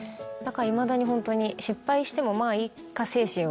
だからいまだにホントに失敗しても。